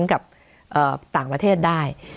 กับต่างประเทศได้